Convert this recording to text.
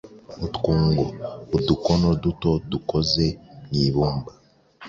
Utwungo: udukono duto dukoze mu ibumba.